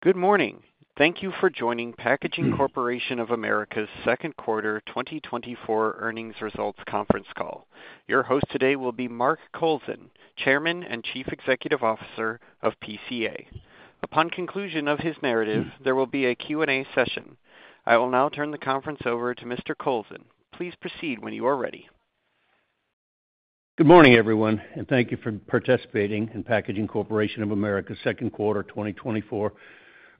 Good morning. Thank you for joining Packaging Corporation of America's second quarter 2024 earnings results conference call. Your host today will be Mark Kowlzan, Chairman and Chief Executive Officer of PCA. Upon conclusion of his narrative, there will be a Q&A session. I will now turn the conference over to Mr. Kowlzan. Please proceed when you are ready. Good morning, everyone, and thank you for participating in Packaging Corporation of America's second quarter 2024 earnings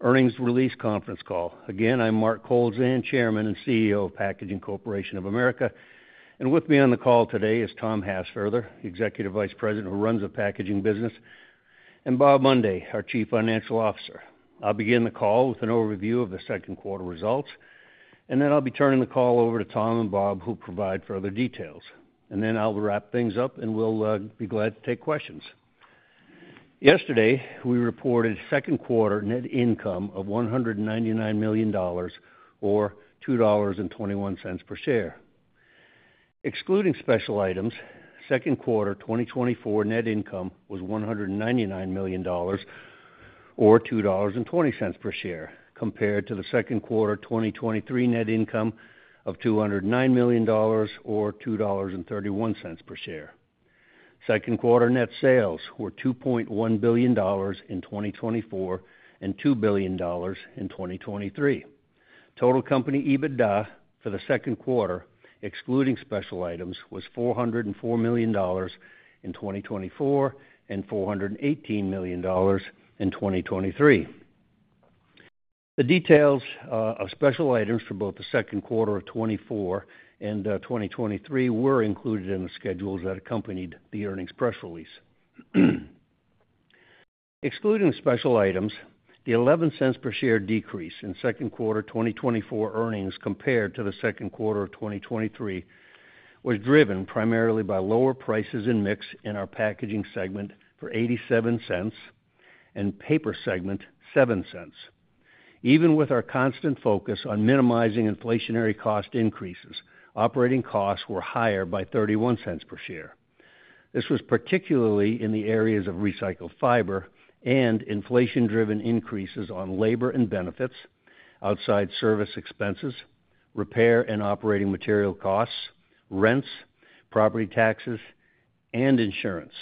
release conference call. Again, I'm Mark Kowlzan, Chairman and CEO of Packaging Corporation of America, and with me on the call today is Tom Hassfurther, Executive Vice President, who runs the packaging business, and Bob Mundy, our Chief Financial Officer. I'll begin the call with an overview of the second quarter results, and then I'll be turning the call over to Tom and Bob, who'll provide further details. And then I'll wrap things up, and we'll be glad to take questions. Yesterday, we reported second quarter net income of $199 million or $2.21 per share. Excluding special items, second quarter 2024 net income was $199 million, or $2.20 per share, compared to the second quarter 2023 net income of $209 million, or $2.31 per share. Second quarter net sales were $2.1 billion in 2024 and $2 billion in 2023. Total company EBITDA for the second quarter, excluding special items, was $404 million in 2024 and $418 million in 2023. The details of special items for both the second quarter of 2024 and 2023 were included in the schedules that accompanied the earnings press release. Excluding special items, the $0.11 per share decrease in second quarter 2024 earnings compared to the second quarter of 2023 was driven primarily by lower prices and mix in our packaging segment for $0.87 and paper segment, $0.07. Even with our constant focus on minimizing inflationary cost increases, operating costs were higher by $0.31 per share. This was particularly in the areas of recycled fiber and inflation-driven increases on labor and benefits, outside service expenses, repair and operating material costs, rents, property taxes, and insurance.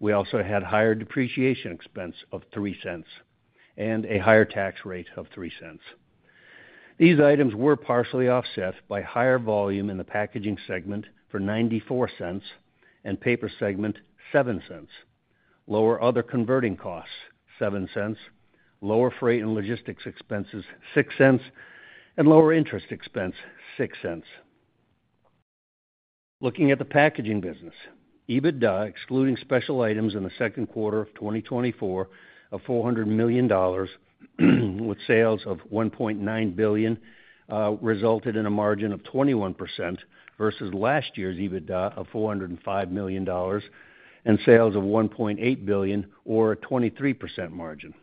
We also had higher depreciation expense of $0.03 and a higher tax rate of $0.03. These items were partially offset by higher volume in the packaging segment for $0.94 and paper segment, $0.07. Lower other converting costs, $0.07, lower freight and logistics expenses, $0.06, and lower interest expense, $0.06. Looking at the packaging business, EBITDA, excluding special items in the second quarter of 2024 of $400 million, with sales of $1.9 billion, resulted in a margin of 21% versus last year's EBITDA of $405 million and sales of $1.8 billion or a 23% margin.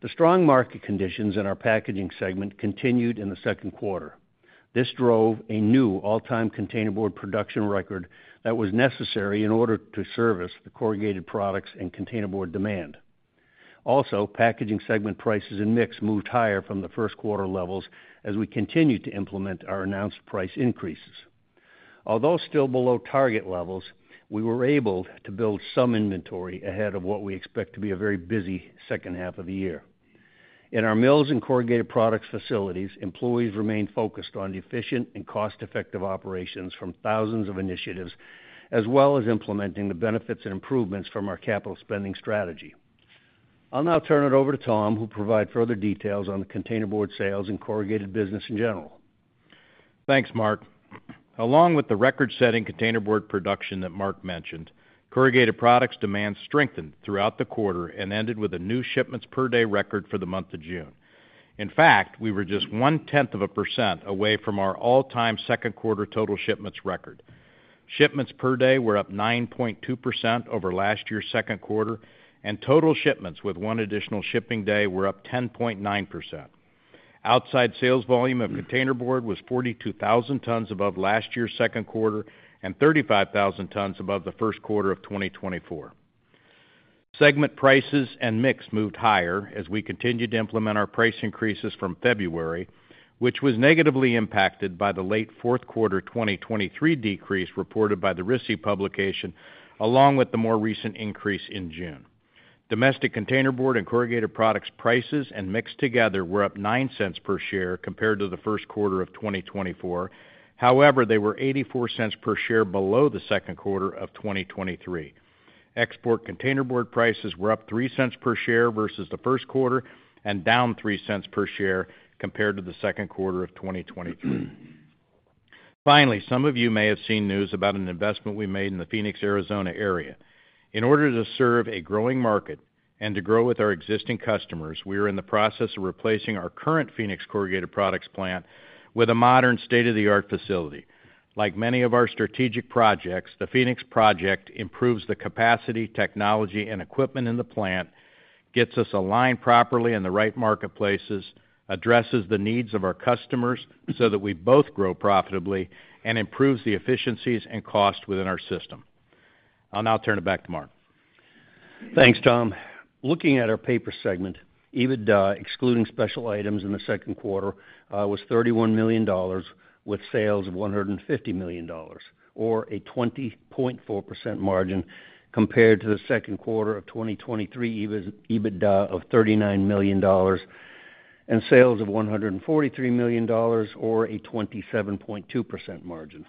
The strong market conditions in our packaging segment continued in the second quarter. This drove a new all-time containerboard production record that was necessary in order to service the corrugated products and containerboard demand. Also, packaging segment prices and mix moved higher from the first quarter levels as we continued to implement our announced price increases. Although still below target levels, we were able to build some inventory ahead of what we expect to be a very busy second half of the year. In our mills and corrugated products facilities, employees remain focused on efficient and cost-effective operations from thousands of initiatives, as well as implementing the benefits and improvements from our capital spending strategy. I'll now turn it over to Tom, who'll provide further details on the containerboard sales and corrugated business in general. Thanks, Mark. Along with the record-setting containerboard production that Mark mentioned, corrugated products demand strengthened throughout the quarter and ended with a new shipments per day record for the month of June. In fact, we were just 1/10 of a percent away from our all-time second quarter total shipments record. Shipments per day were up 9.2% over last year's second quarter, and total shipments with one additional shipping day were up 10.9%. Outside sales volume of containerboard was 42,000 tons above last year's second quarter and 35,000 tons above the first quarter of 2024. Segment prices and mix moved higher as we continued to implement our price increases from February, which was negatively impacted by the late fourth quarter 2023 decrease reported by the RISI publication, along with the more recent increase in June. Domestic containerboard and corrugated products, prices and mix together, were up $0.09 per share compared to the first quarter of 2024. However, they were $0.84 per share below the second quarter of 2023. Export containerboard prices were up $0.03 per share versus the first quarter and down $0.03 per share compared to the second quarter of 2023. Finally, some of you may have seen news about an investment we made in the Phoenix, Arizona area. In order to serve a growing market and to grow with our existing customers, we are in the process of replacing our current Phoenix corrugated products plant with a modern state-of-the-art facility. Like many of our strategic projects, the Phoenix project improves the capacity, technology, and equipment in the plant, gets us aligned properly in the right marketplaces, addresses the needs of our customers so that we both grow profitably and improves the efficiencies and cost within our system.... I'll now turn it back to Mark. Thanks, Tom. Looking at our paper segment, EBITDA, excluding special items in the second quarter, was $31 million, with sales of $150 million, or a 20.4% margin, compared to the second quarter of 2023 EBITDA of $39 million and sales of $143 million, or a 27.2% margin.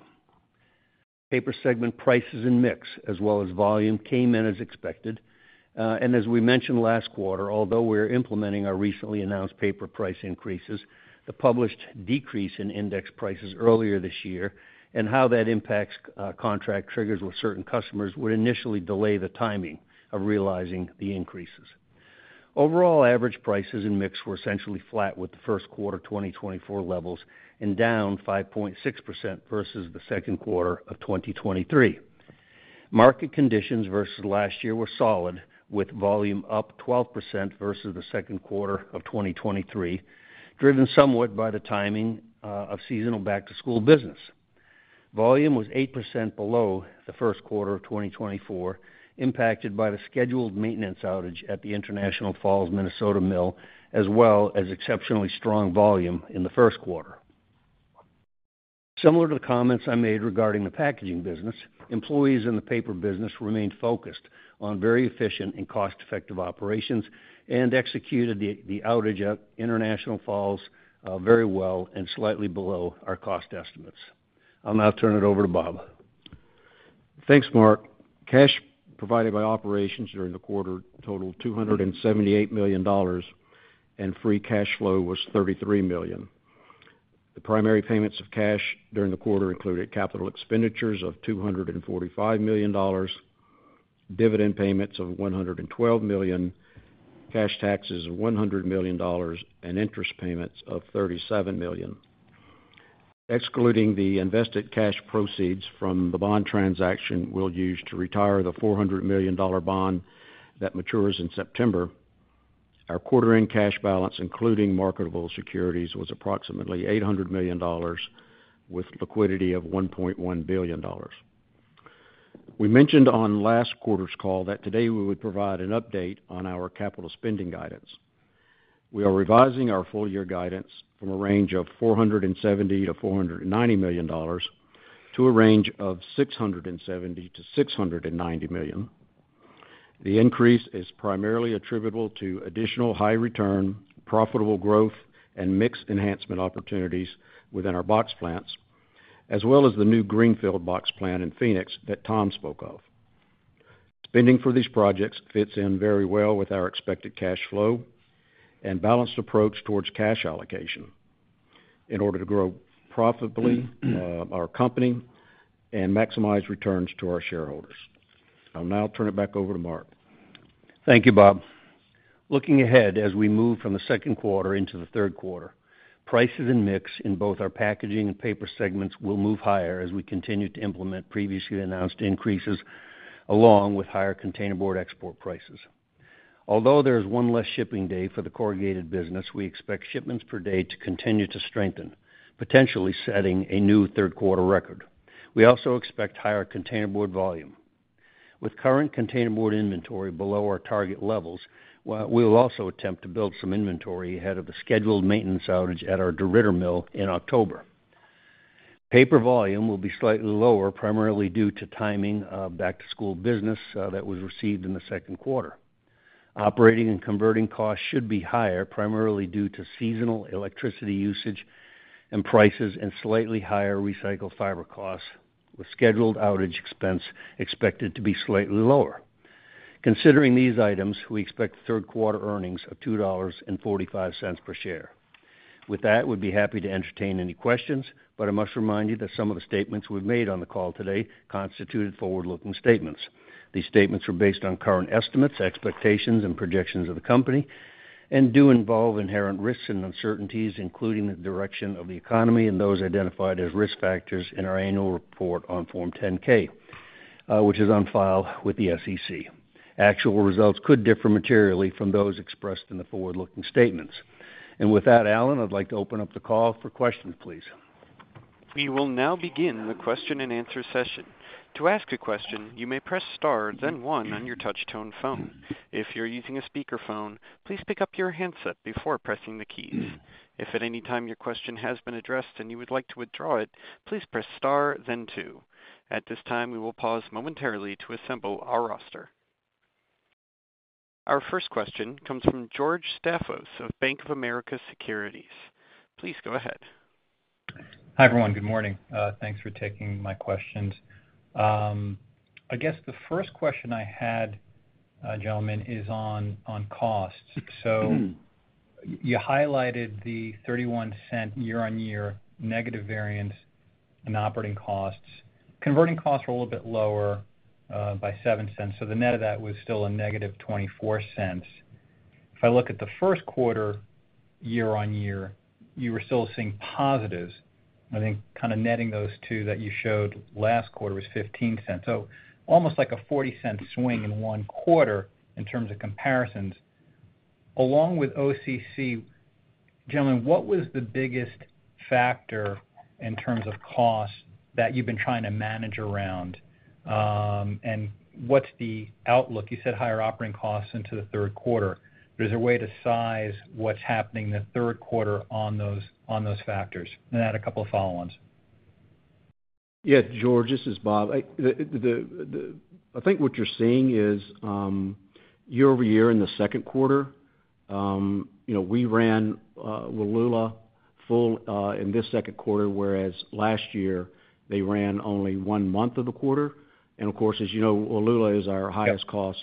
Paper segment prices and mix, as well as volume, came in as expected. As we mentioned last quarter, although we're implementing our recently announced paper price increases, the published decrease in index prices earlier this year and how that impacts contract triggers with certain customers would initially delay the timing of realizing the increases. Overall, average prices and mix were essentially flat with the first quarter 2024 levels, and down 5.6% versus the second quarter of 2023. Market conditions versus last year were solid, with volume up 12% versus the second quarter of 2023, driven somewhat by the timing of seasonal back-to-school business. Volume was 8% below the first quarter of 2024, impacted by the scheduled maintenance outage at the International Falls, Minnesota mill, as well as exceptionally strong volume in the first quarter. Similar to the comments I made regarding the packaging business, employees in the paper business remained focused on very efficient and cost-effective operations and executed the outage at International Falls very well and slightly below our cost estimates. I'll now turn it over to Bob. Thanks, Mark. Cash provided by operations during the quarter totaled $278 million, and free cash flow was $33 million. The primary payments of cash during the quarter included capital expenditures of $245 million, dividend payments of $112 million, cash taxes of $100 million, and interest payments of $37 million. Excluding the invested cash proceeds from the bond transaction we'll use to retire the $400 million bond that matures in September, our quarter-end cash balance, including marketable securities, was approximately $800 million, with liquidity of $1.1 billion. We mentioned on last quarter's call that today we would provide an update on our capital spending guidance. We are revising our full-year guidance from a range of $470 million-$490 million to a range of $670 million-$690 million. The increase is primarily attributable to additional high return, profitable growth, and mix enhancement opportunities within our box plants, as well as the new greenfield box plant in Phoenix that Tom spoke of. Spending for these projects fits in very well with our expected cash flow and balanced approach towards cash allocation in order to grow profitably, our company and maximize returns to our shareholders. I'll now turn it back over to Mark. Thank you, Bob. Looking ahead, as we move from the second quarter into the third quarter, prices and mix in both our packaging and paper segments will move higher as we continue to implement previously announced increases, along with higher containerboard export prices. Although there is one less shipping day for the corrugated business, we expect shipments per day to continue to strengthen, potentially setting a new third quarter record. We also expect higher containerboard volume. With current containerboard inventory below our target levels, we will also attempt to build some inventory ahead of the scheduled maintenance outage at our DeRidder mill in October. Paper volume will be slightly lower, primarily due to timing of back-to-school business that was received in the second quarter. Operating and converting costs should be higher, primarily due to seasonal electricity usage and prices and slightly higher recycled fiber costs, with scheduled outage expense expected to be slightly lower. Considering these items, we expect third quarter earnings of $2.45 per share. With that, we'd be happy to entertain any questions, but I must remind you that some of the statements we've made on the call today constituted forward-looking statements. These statements were based on current estimates, expectations, and projections of the company and do involve inherent risks and uncertainties, including the direction of the economy and those identified as risk factors in our annual report on Form 10-K, which is on file with the SEC. Actual results could differ materially from those expressed in the forward-looking statements. And with that, Alan, I'd like to open up the call for questions, please. We will now begin the question and answer session. To ask a question, you may press star, then one on your touch tone phone. If you're using a speakerphone, please pick up your handset before pressing the keys. If at any time your question has been addressed and you would like to withdraw it, please press star, then two. At this time, we will pause momentarily to assemble our roster. Our first question comes from George Staphos of Bank of America Securities. Please go ahead. Hi, everyone. Good morning. Thanks for taking my questions. I guess the first question I had, gentlemen, is on, on costs. So you highlighted the $0.31 year-on-year negative variance in operating costs. Converting costs were a little bit lower by $0.07, so the net of that was still a -$0.24. If I look at the first quarter year-on-year, you were still seeing positives. I think kind of netting those two that you showed last quarter was $0.15. So almost like a $0.40 swing in one quarter in terms of comparisons. Along with OCC, gentlemen, what was the biggest factor in terms of cost that you've been trying to manage around? And what's the outlook? You said higher operating costs into the third quarter. Is there a way to size what's happening in the third quarter on those, on those factors? I had a couple of follow-ons. Yeah, George, this is Bob. I think what you're seeing is year-over-year in the second quarter, you know, we ran Wallula full in this second quarter, whereas last year, they ran only one month of the quarter. And of course, as you know, Wallula is our highest cost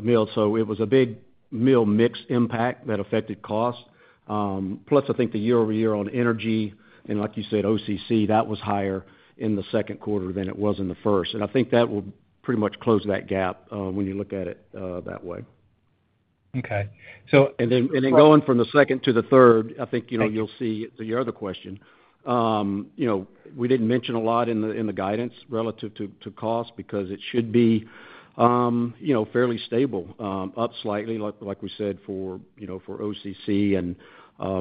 mill, so it was a big mill mix impact that affected cost. Plus, I think the year-over-year on energy, and like you said, OCC, that was higher in the second quarter than it was in the first. And I think that will pretty much close that gap, when you look at it that way. Okay. So. And then going from the second to the third, I think, you know, you'll see. Thank you. To your other question, you know, we didn't mention a lot in the guidance relative to cost because it should be, you know, fairly stable, up slightly, like we said, for OCC and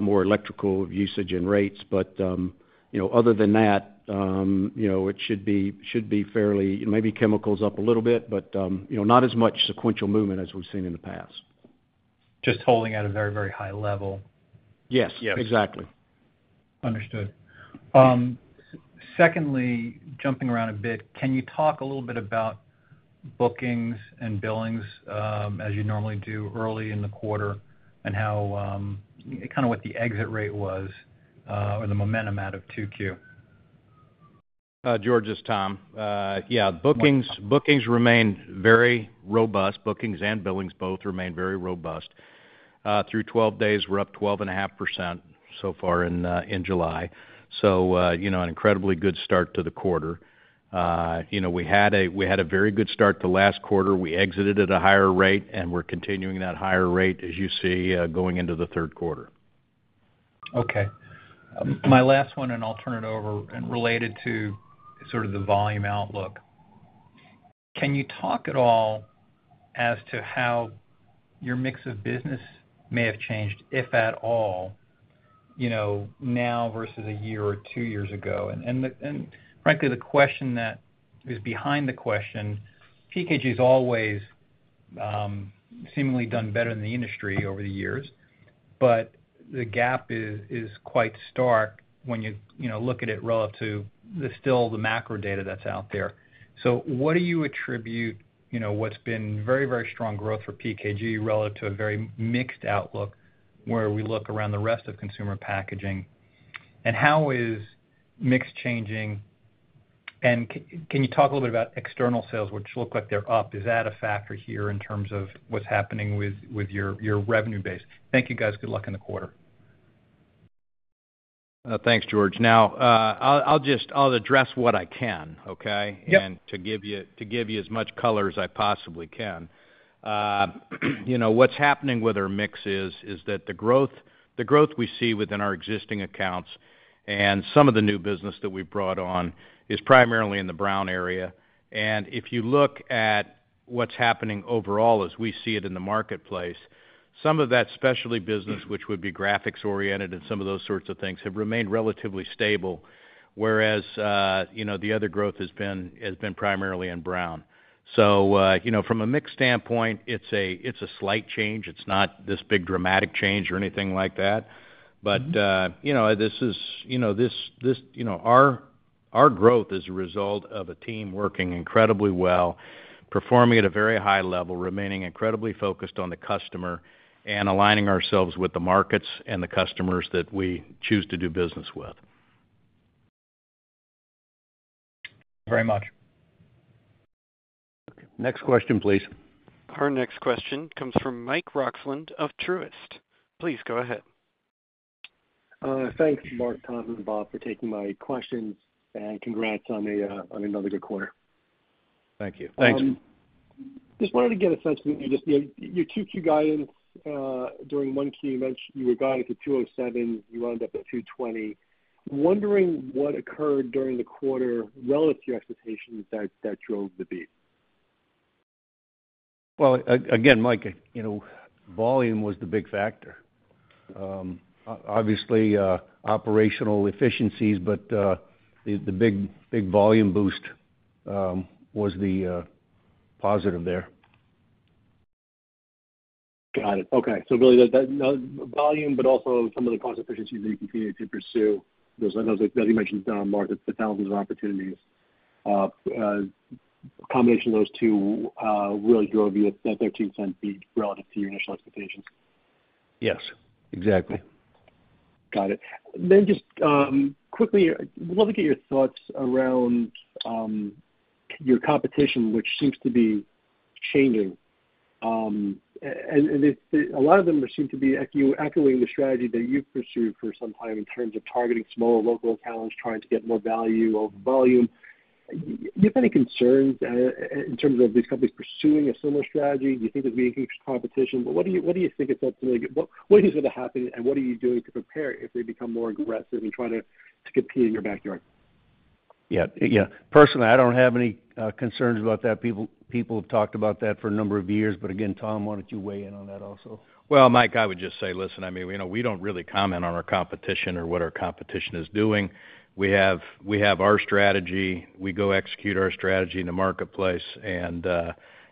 more electrical usage and rates. But, you know, other than that, you know, it should be fairly, maybe chemicals up a little bit, but, you know, not as much sequential movement as we've seen in the past. Just holding at a very, very high level. Yes. Yes. Exactly. Understood. Secondly, jumping around a bit, can you talk a little bit about bookings and billings, as you normally do early in the quarter, and how kind of what the exit rate was, or the momentum out of 2Q? George, it's Tom. Yeah, bookings, bookings remained very robust. Bookings and billings both remained very robust. Through 12 days, we're up 12.5% so far in July. So, you know, an incredibly good start to the quarter. You know, we had a very good start to last quarter. We exited at a higher rate, and we're continuing that higher rate, as you see, going into the third quarter. Okay. My last one, and I'll turn it over and related to sort of the volume outlook. Can you talk at all as to how your mix of business may have changed, if at all, you know, now versus a year or two years ago? And frankly, the question that is behind the question, PKG has always seemingly done better than the industry over the years, but the gap is quite stark when you, you know, look at it relative to the still the macro data that's out there. So what do you attribute, you know, what's been very, very strong growth for PKG relative to a very mixed outlook, where we look around the rest of consumer packaging? And how is mix changing? And can you talk a little bit about external sales, which look like they're up? Is that a factor here in terms of what's happening with your revenue base? Thank you, guys. Good luck in the quarter. Thanks, George. Now, I'll just address what I can, okay? Yep. To give you as much color as I possibly can. You know, what's happening with our mix is that the growth we see within our existing accounts and some of the new business that we brought on is primarily in the brown area. If you look at what's happening overall, as we see it in the marketplace, some of that specialty business, which would be graphics oriented and some of those sorts of things, have remained relatively stable, whereas you know, the other growth has been primarily in brown. You know, from a mix standpoint, it's a slight change. It's not this big dramatic change or anything like that. But, you know, this is, you know, our growth is a result of a team working incredibly well, performing at a very high level, remaining incredibly focused on the customer, and aligning ourselves with the markets and the customers that we choose to do business with. Thank you very much. Next question, please. Our next question comes from Mike Roxland of Truist. Please go ahead. Thanks, Mark, Tom, and Bob, for taking my questions, and congrats on another good quarter. Thank you. Thank you. Just wanted to get a sense from you, just, you know, your 2Q guidance, during 1Q, you mentioned you were guiding to $207, you wound up at $220. Wondering what occurred during the quarter relative to your expectations that drove the beat? Well, again, Mike, you know, volume was the big factor. Obviously, operational efficiencies, but the big, big volume boost was the positive there. Got it. Okay. So really, the volume, but also some of the cost efficiencies that you continue to pursue. Those, I know, as you mentioned, on market, the thousands of opportunities. A combination of those two, really drove you that $0.13 beat relative to your initial expectations. Yes, exactly. Got it. Then just quickly, I'd love to get your thoughts around your competition, which seems to be changing. And it's a lot of them seem to be echoing the strategy that you've pursued for some time in terms of targeting smaller local accounts, trying to get more value over volume. Do you have any concerns in terms of these companies pursuing a similar strategy? Do you think there's going to be increased competition? But what do you think it's up to make? What is going to happen, and what are you doing to prepare if they become more aggressive and try to compete in your backyard? Yeah, yeah. Personally, I don't have any concerns about that. People have talked about that for a number of years. But again, Tom, why don't you weigh in on that also? Well, Mike, I would just say, listen, I mean, you know, we don't really comment on our competition or what our competition is doing. We have our strategy. We go execute our strategy in the marketplace, and,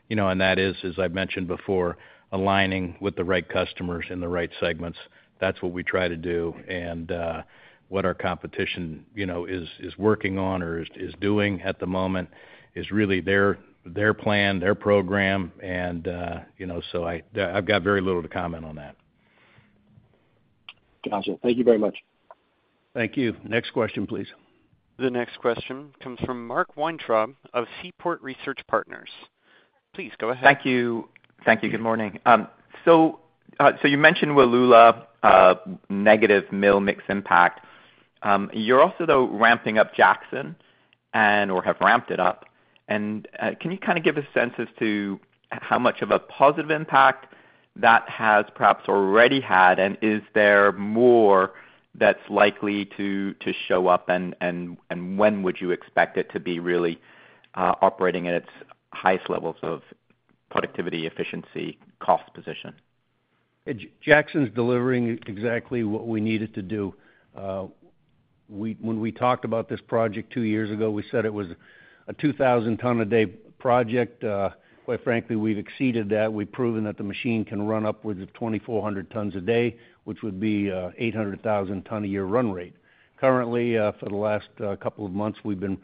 you know, and that is, as I mentioned before, aligning with the right customers in the right segments. That's what we try to do. And, what our competition, you know, is working on or is doing at the moment is really their plan, their program, and, you know, so I've got very little to comment on that. Gotcha. Thank you very much. Thank you. Next question, please. The next question comes from Mark Weintraub of Seaport Research Partners. Please go ahead. Thank you. Thank you. Good morning. So, so you mentioned Wallula, negative mill mix impact. You're also, though, ramping up Jackson and, or have ramped it up. And, can you kind of give a sense as to how much of a positive impact that has perhaps already had? And is there more that's likely to, to show up, and, and, and when would you expect it to be really, operating at its highest levels of productivity, efficiency, cost, position? Jackson's delivering exactly what we need it to do. When we talked about this project two years ago, we said it was a 2,000 ton a day project. Quite frankly, we've exceeded that. We've proven that the machine can run up with 2,400 tons a day, which would be 800,000 ton a year run rate. Currently, for the last couple of months, we've been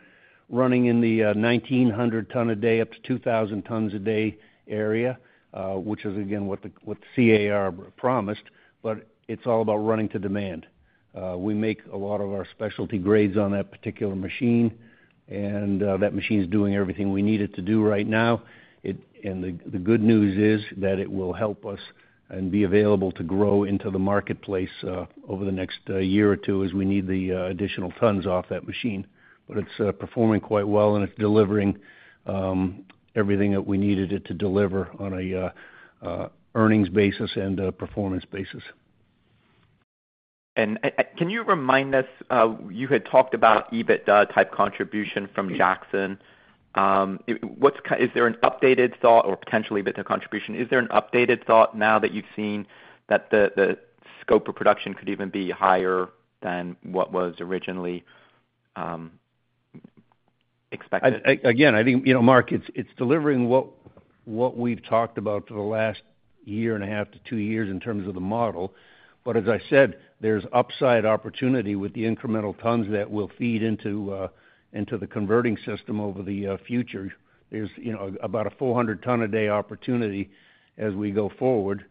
running in the 1,900 ton a day up to 2,000 tons a day area, which is, again, what the CAR promised, but it's all about running to demand. We make a lot of our specialty grades on that particular machine, and that machine is doing everything we need it to do right now. The good news is that it will help us and be available to grow into the marketplace over the next year or two, as we need the additional tons off that machine. But it's performing quite well, and it's delivering everything that we needed it to deliver on a earnings basis and a performance basis. Can you remind us you had talked about EBITDA type contribution from Jackson. Is there an updated thought or potentially EBITDA contribution? Is there an updated thought now that you've seen that the scope of production could even be higher than what was originally expected? Again, I think, you know, Mark, it's delivering what we've talked about for the last year and a half to two years in terms of the model. But as I said, there's upside opportunity with the incremental tons that will feed into the converting system over the future. There's, you know, about a 400 ton a day opportunity as we go forward,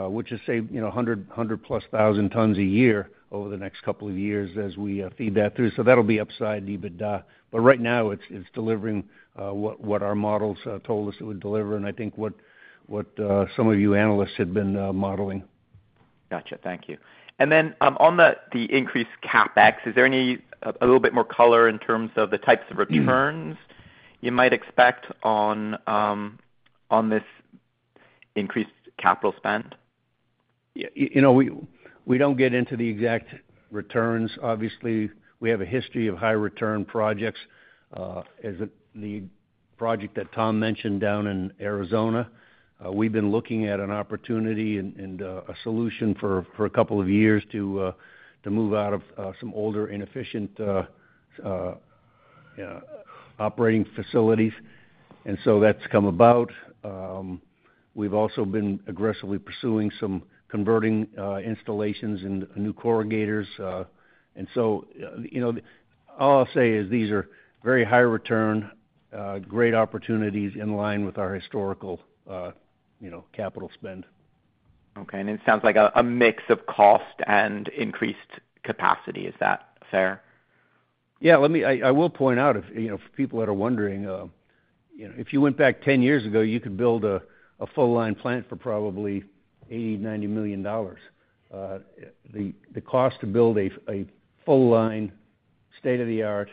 which is, say, you know, 100, 100,000+ tons a year over the next couple of years as we feed that through. So that'll be upside EBITDA. But right now, it's delivering what our models told us it would deliver, and I think what some of you analysts had been modeling. Gotcha. Thank you. And then, on the increased CapEx, is there any... A little bit more color in terms of the types of returns you might expect on this increased capital spend? Yeah, you know, we don't get into the exact returns. Obviously, we have a history of high return projects, as the project that Tom mentioned down in Arizona. We've been looking at an opportunity and a solution for a couple of years to move out of some older, inefficient, you know, operating facilities. And so that's come about. We've also been aggressively pursuing some converting installations and new corrugators. And so, you know, all I'll say is these are very high return great opportunities in line with our historical, you know, capital spend. Okay. It sounds like a mix of cost and increased capacity. Is that fair? Yeah, let me... I will point out, if, you know, for people that are wondering, you know, if you went back 10 years ago, you could build a full line plant for probably $80 million, $90 million. The cost to build a full line, state-of-the-art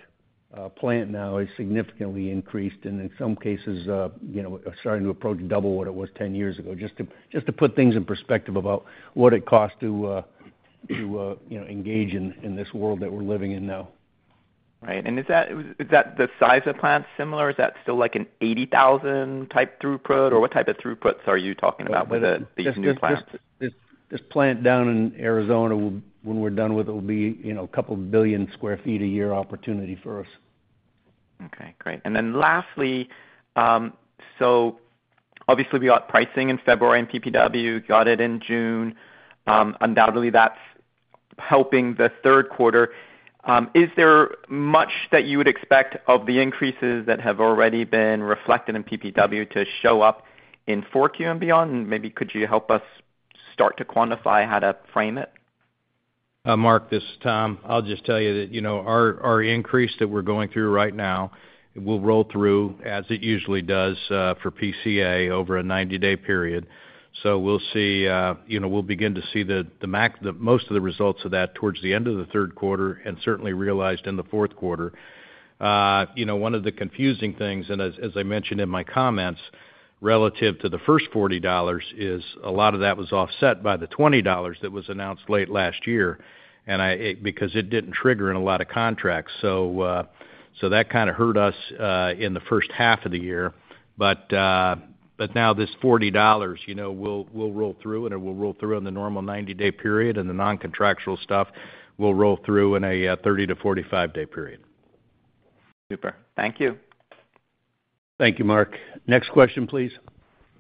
plant now is significantly increased, and in some cases, you know, starting to approach double what it was 10 years ago, just to put things in perspective about what it costs to, you know, engage in this world that we're living in now. Right. And is that, is that the size of plant similar, or is that still like an 80,000 type throughput? Or what type of throughputs are you talking about with the, these new plants? This plant down in Arizona, when we're done with it, will be, you know, a couple billion square feet a year opportunity for us. Okay, great. And then lastly, so obviously, we got pricing in February, and PPW got it in June. Undoubtedly, that's helping the third quarter. Is there much that you would expect of the increases that have already been reflected in PPW to show up in 4Q and beyond? And maybe could you help us start to quantify how to frame it? Mark, this is Tom. I'll just tell you that, you know, our, our increase that we're going through right now will roll through, as it usually does, for PCA over a 90-day period. So we'll see, you know, we'll begin to see the most of the results of that towards the end of the third quarter and certainly realized in the fourth quarter. You know, one of the confusing things, and as, as I mentioned in my comments relative to the first $40 is, a lot of that was offset by the $20 that was announced late last year, and it, because it didn't trigger in a lot of contracts. So, so that kind of hurt us, in the first half of the year. Now this $40, you know, will roll through, and it will roll through in the normal 90-day period, and the non-contractual stuff will roll through in a 30-45 day period. Super. Thank you. Thank you, Mark. Next question, please.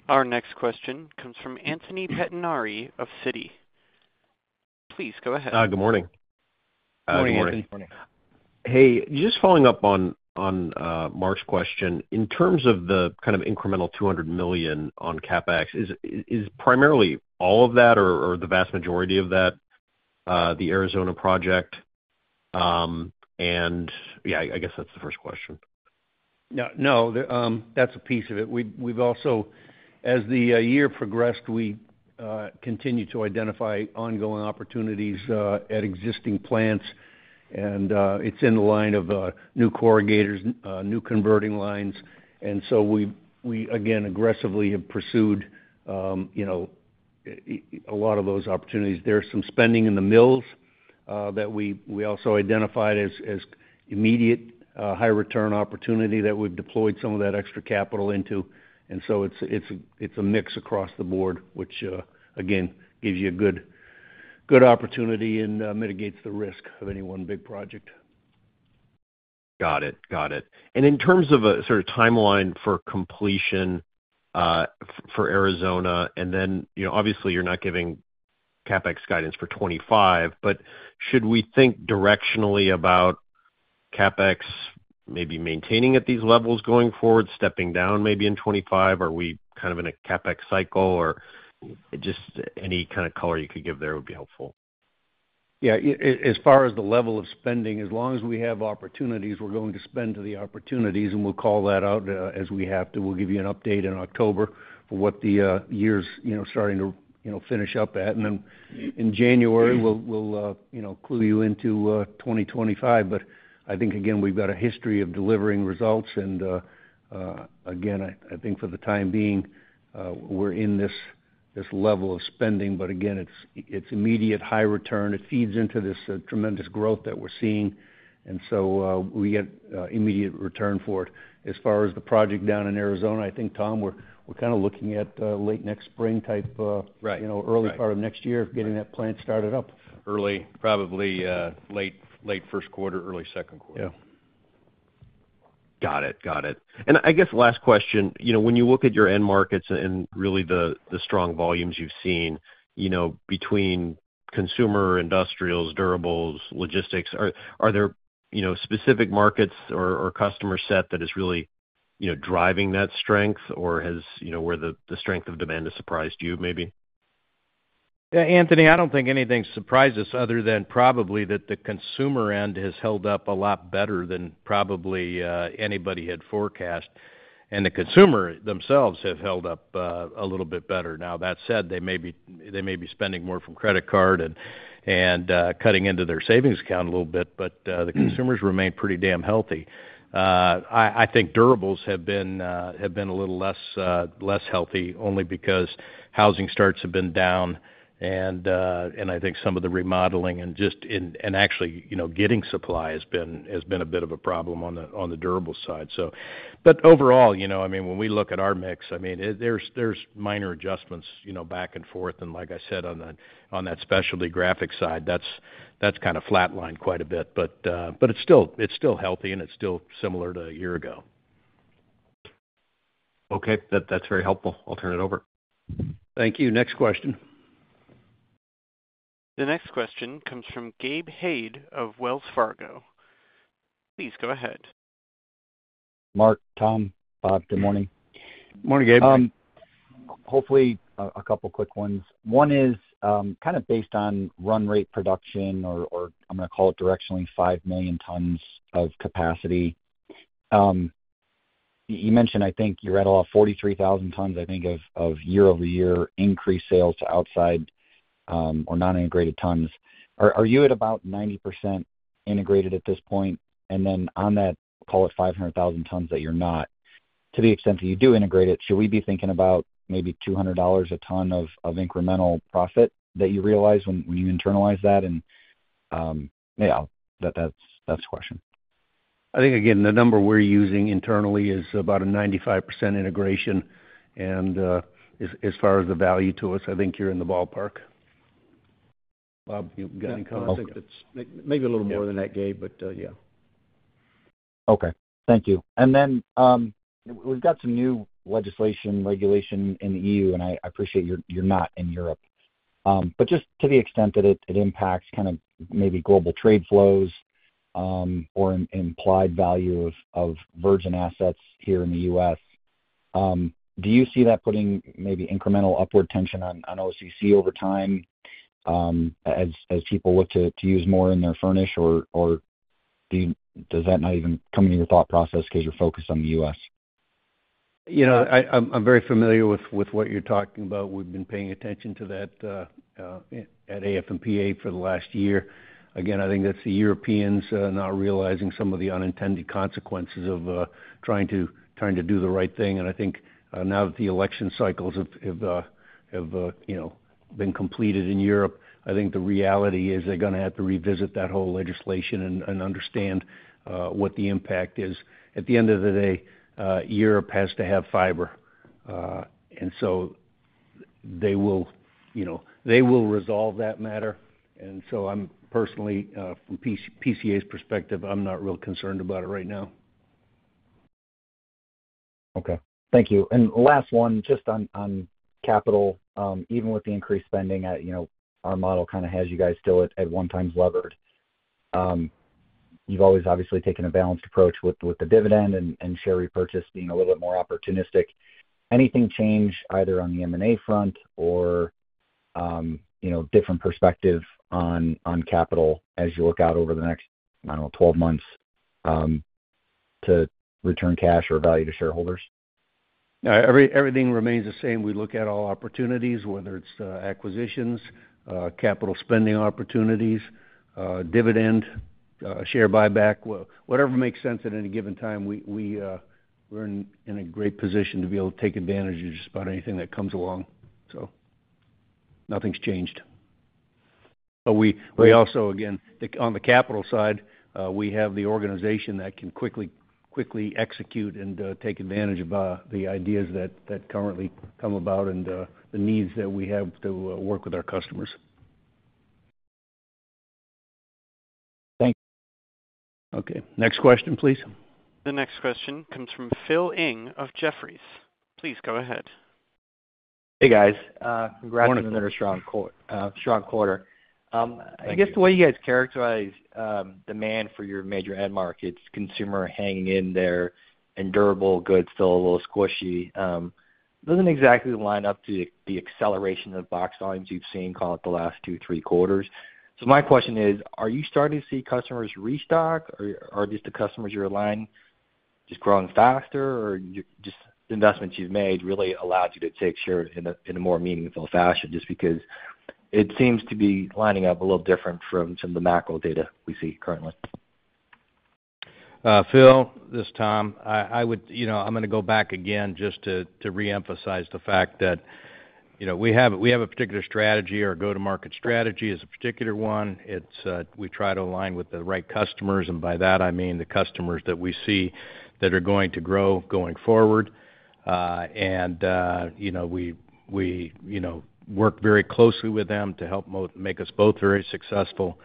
Our next question comes from Anthony Pettinari of Citi. Please go ahead. Good morning. Good morning, Anthony. Good morning. Hey, just following up on Mark's question. In terms of the kind of incremental $200 million on CapEx, is primarily all of that or the vast majority of that the Arizona project? And yeah, I guess that's the first question. No, no, that's a piece of it. We've also, as the year progressed, we continued to identify ongoing opportunities at existing plants, and it's in the line of new corrugators, new converting lines. And so we again aggressively have pursued, you know, a lot of those opportunities. There's some spending in the mills that we also identified as immediate high return opportunity that we've deployed some of that extra capital into. And so it's a mix across the board, which again gives you a good opportunity and mitigates the risk of any one big project. Got it. Got it. And in terms of a sort of timeline for completion for Arizona, and then, you know, obviously you're not giving CapEx guidance for 2025, but should we think directionally about CapEx maybe maintaining at these levels going forward, stepping down maybe in 2025? Are we kind of in a CapEx cycle, or just any kind of color you could give there would be helpful? Yeah, as far as the level of spending, as long as we have opportunities, we're going to spend to the opportunities, and we'll call that out, as we have to. We'll give you an update in October for what the years, you know, starting to, you know, finish up at. And then in January, we'll clue you into 2025. But I think, again, we've got a history of delivering results, and, again, I think for the time being, we're in this level of spending, but again, it's immediate high return. It feeds into this tremendous growth that we're seeing, and so, we get immediate return for it. As far as the project down in Arizona, I think, Tom, we're kind of looking at late next spring type. Right. You know, early part of next year, getting that plant started up. Early, probably, late, late first quarter, early second quarter. Yeah. Got it. Got it. And I guess last question, you know, when you look at your end markets and really the strong volumes you've seen, you know, between consumer, industrials, durables, logistics, are there, you know, specific markets or customer set that is really, you know, driving that strength or has, you know, where the strength of demand has surprised you maybe? Yeah, Anthony, I don't think anything surprised us other than probably that the consumer end has held up a lot better than probably anybody had forecast. And the consumer themselves have held up a little bit better. Now, that said, they may be, they may be spending more from credit card and, and cutting into their savings account a little bit, but. Mm-hmm. The consumers remain pretty damn healthy. I think durables have been a little less healthy, only because housing starts have been down. I think some of the remodeling and just actually, you know, getting supply has been a bit of a problem on the durable side. But overall, you know, I mean, when we look at our mix, I mean, there's minor adjustments, you know, back and forth. Like I said, on that specialty graphic side, that's kind of flatlined quite a bit. But it's still healthy, and it's still similar to a year ago. Okay. That, that's very helpful. I'll turn it over. Thank you. Next question. The next question comes from Gabe Hajde of Wells Fargo. Please go ahead. Mark, Tom, Bob, good morning. Morning, Gabe. Hopefully, a couple quick ones. One is kind of based on run rate production or I'm going to call it directionally 5 million tons of capacity. You mentioned, I think you're at about 43,000 tons, I think, of year-over-year increased sales to outside or non-integrated tons. Are you at about 90% integrated at this point? And then on that, call it 500,000 tons that you're not, to the extent that you do integrate it, should we be thinking about maybe $200 a ton of incremental profit that you realize when you internalize that? Yeah, that's the question. I think, again, the number we're using internally is about a 95% integration, and, as far as the value to us, I think you're in the ballpark. Bob, you got any comments? I think it's maybe a little more than that, Gabe, but, yeah. Okay. Thank you. And then, we've got some new legislation, regulation in the EU, and I appreciate you're not in Europe. But just to the extent that it impacts kind of maybe global trade flows, or implied value of virgin assets here in the U.S., do you see that putting maybe incremental upward tension on OCC over time, as people look to use more in their furnish? Or, does that not even come into your thought process because you're focused on the U.S.? You know, I'm very familiar with what you're talking about. We've been paying attention to that at AF&PA for the last year. Again, I think that's the Europeans not realizing some of the unintended consequences of trying to do the right thing. And I think now that the election cycles have you know. Been completed in Europe, I think the reality is they're gonna have to revisit that whole legislation and understand what the impact is. At the end of the day, Europe has to have fiber, and so they will, you know, they will resolve that matter. And so I'm personally, from PCA's perspective, I'm not real concerned about it right now. Okay. Thank you, and last one, just on capital. Even with the increased spending at, you know, our model kind of has you guys still at one times levered. You've always obviously taken a balanced approach with the dividend and share repurchase being a little bit more opportunistic. Anything change either on the M&A front or, you know, different perspective on capital as you look out over the next, I don't know, 12 months, to return cash or value to shareholders? Everything remains the same. We look at all opportunities, whether it's acquisitions, capital spending opportunities, dividend, share buyback. Well, whatever makes sense at any given time, we, we're in a great position to be able to take advantage of just about anything that comes along. So nothing's changed. But we also, again, on the capital side, we have the organization that can quickly execute and take advantage of the ideas that currently come about and the needs that we have to work with our customers. Thank you. Okay, next question, please. The next question comes from Phil Ng of Jefferies. Please go ahead. Hey, guys. Congrats. Morning. On another strong quarter. Thank you. I guess the way you guys characterize demand for your major end markets, consumer hanging in there and durable goods still a little squishy, doesn't exactly line up to the acceleration of box volumes you've seen, call it the last two, three quarters. So my question is: Are you starting to see customers restock, or are just the customers you're aligning just growing faster, or just the investments you've made really allowed you to take share in a more meaningful fashion? Just because it seems to be lining up a little different from some of the macro data we see currently. Phil, this is Tom. I would... You know, I'm gonna go back again just to reemphasize the fact that, you know, we have a particular strategy. Our go-to-market strategy is a particular one. It's we try to align with the right customers, and by that I mean the customers that we see that are going to grow going forward. And you know, we work very closely with them to help make us both very successful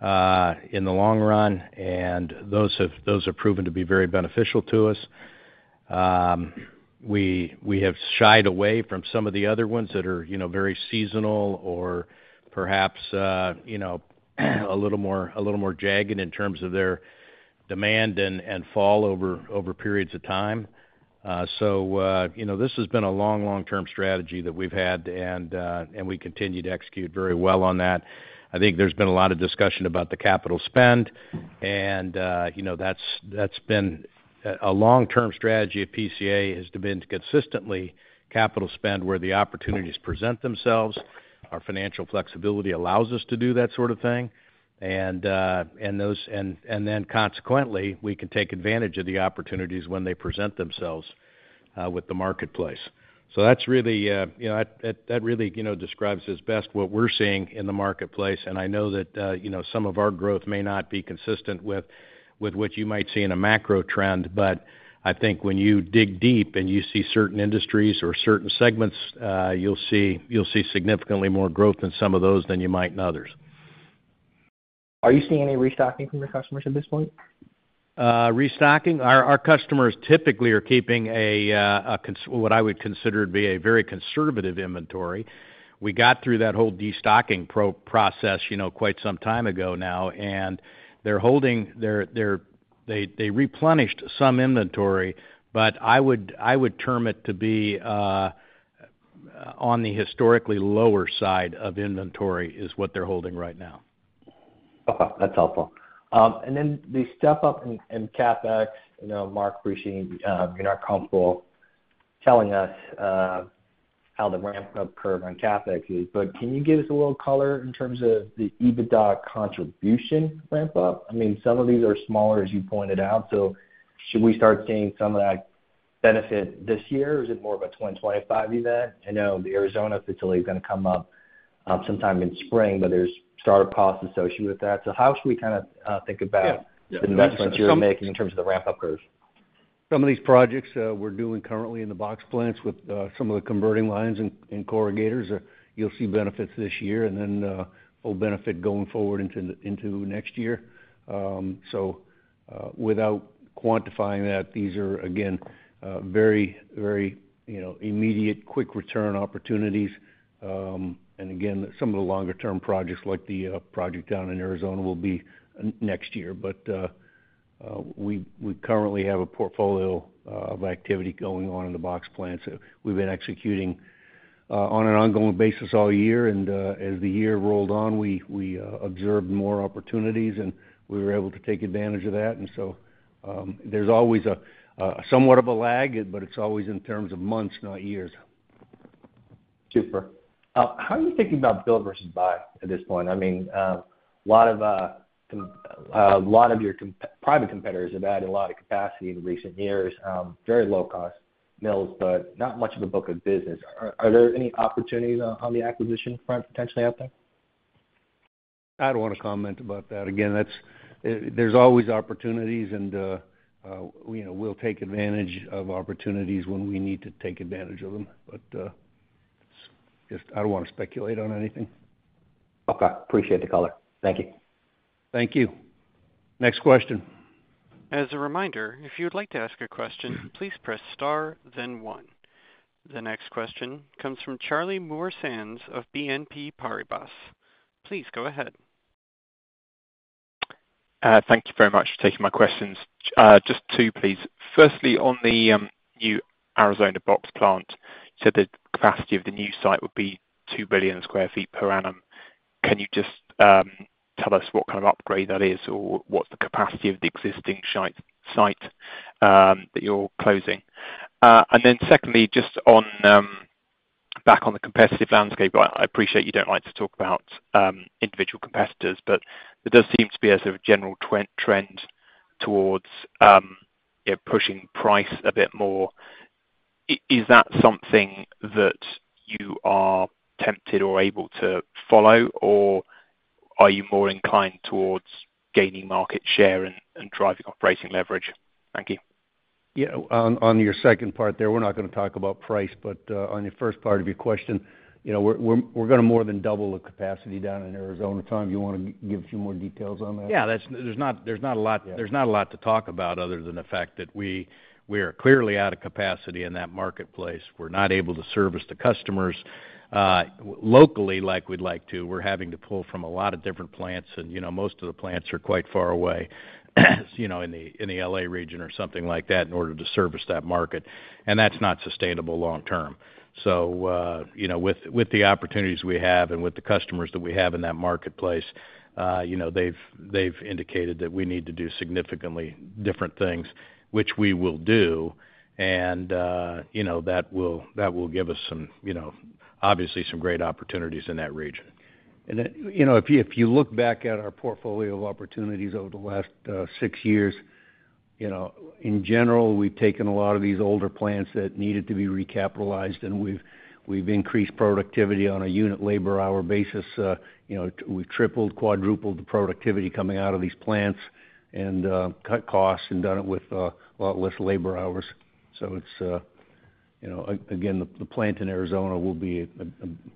in the long run, and those have proven to be very beneficial to us. We have shied away from some of the other ones that are, you know, very seasonal or perhaps you know, a little more jagged in terms of their demand and fall over periods of time. So, you know, this has been a long, long-term strategy that we've had, and, and we continue to execute very well on that. I think there's been a lot of discussion about the capital spend, and, you know, that's, that's been a long-term strategy at PCA has been to consistently capital spend where the opportunities present themselves. Our financial flexibility allows us to do that sort of thing. And then consequently, we can take advantage of the opportunities when they present themselves with the marketplace. So that's really, you know, that really, you know, describes as best what we're seeing in the marketplace. I know that, you know, some of our growth may not be consistent with what you might see in a macro trend, but I think when you dig deep and you see certain industries or certain segments, you'll see significantly more growth in some of those than you might in others. Are you seeing any restocking from your customers at this point? Restocking? Our customers typically are keeping a conservative inventory, what I would consider to be a very conservative inventory. We got through that whole destocking process, you know, quite some time ago now, and they're holding. They replenished some inventory, but I would term it to be on the historically lower side of inventory, is what they're holding right now. Okay, that's helpful. And then the step up in CapEx, you know, Mark, we've seen, you're not comfortable telling us how the ramp-up curve on CapEx is, but can you give us a little color in terms of the EBITDA contribution ramp up? I mean, some of these are smaller, as you pointed out, so should we start seeing some of that benefit this year, or is it more of a 2025 event? I know the Arizona facility is gonna come up sometime in spring, but there's startup costs associated with that. So how should we kind of think about? Yeah, yeah. The investments you're making in terms of the ramp-up curves? Some of these projects, we're doing currently in the box plants with some of the converting lines and corrugators. You'll see benefits this year, and then, we'll benefit going forward into next year. So, without quantifying that, these are, again, very, very, you know, immediate, quick-return opportunities. And again, some of the longer-term projects, like the project down in Arizona, will be next year. But, we currently have a portfolio of activity going on in the box plants that we've been executing on an ongoing basis all year, and, as the year rolled on, we observed more opportunities, and we were able to take advantage of that. And so, there's always a somewhat of a lag, but it's always in terms of months, not years. Super. How are you thinking about build versus buy at this point? I mean, a lot of your private competitors have added a lot of capacity in recent years, very low-cost mills, but not much of a book of business. Are there any opportunities on the acquisition front potentially out there? I don't want to comment about that. Again, that's, there's always opportunities, and, we, you know, we'll take advantage of opportunities when we need to take advantage of them. But, just I don't want to speculate on anything. Okay. Appreciate the color. Thank you. Thank you. Next question. As a reminder, if you would like to ask a question, please press star, then one. The next question comes from Charlie Muir-Sands of BNP Paribas. Please go ahead. Thank you very much for taking my questions. Just two, please. Firstly, on the new Arizona box plant, so the capacity of the new site would be 2,000,000,000 sq ft per annum. Can you just tell us what kind of upgrade that is, or what's the capacity of the existing site that you're closing? And then secondly, just on back on the competitive landscape, I appreciate you don't like to talk about individual competitors, but there does seem to be a sort of general trend towards you know, pushing price a bit more. Is that something that you are tempted or able to follow? Or are you more inclined towards gaining market share and driving operating leverage? Thank you. Yeah, on your second part there, we're not gonna talk about price, but on your first part of your question, you know, we're gonna more than double the capacity down in Arizona. Tom, do you want to give a few more details on that? Yeah, that's - there's not a lot. Yeah. There's not a lot to talk about other than the fact that we are clearly out of capacity in that marketplace. We're not able to service the customers locally like we'd like to. We're having to pull from a lot of different plants, and, you know, most of the plants are quite far away, you know, in the L.A. region or something like that, in order to service that market. And that's not sustainable long term. So, you know, with the opportunities we have and with the customers that we have in that marketplace, you know, they've indicated that we need to do significantly different things, which we will do. And, you know, that will give us some, you know, obviously some great opportunities in that region. You know, if you look back at our portfolio of opportunities over the last six years, you know, in general, we've taken a lot of these older plants that needed to be recapitalized, and we've increased productivity on a unit labor-hour basis. You know, we've tripled, quadrupled the productivity coming out of these plants and cut costs and done it with a lot less labor hours. So it's, you know. Again, the plant in Arizona will be a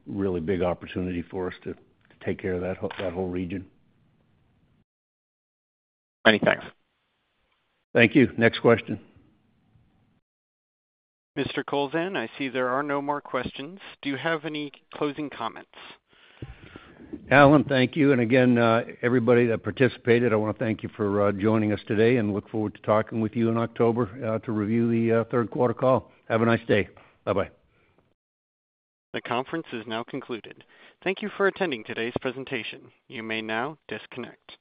really big opportunity for us to take care of that whole region. Many thanks. Thank you. Next question. Mr. Kowlzan, I see there are no more questions. Do you have any closing comments? Alan, thank you. And again, everybody that participated, I want to thank you for joining us today, and look forward to talking with you in October to review the third quarter call. Have a nice day. Bye-bye. The conference is now concluded. Thank you for attending today's presentation. You may now disconnect.